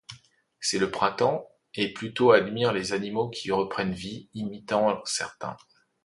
C'est le printemps et Pluto admire les animaux qui reprennent vie, imitant certains.